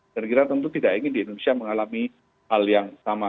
dan kita tentu tidak ingin di indonesia mengalami hal yang sama